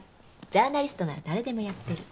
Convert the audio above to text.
ジャーナリストなら誰でもやってる。